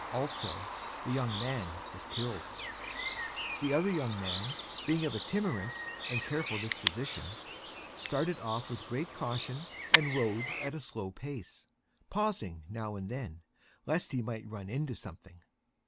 Also, the young Man was killed. The Other Young Man, being of a Timorous and Careful Disposition, started off with great Caution and Rode at a Slow Pace, pausing now and then, Lest he might Run into Something.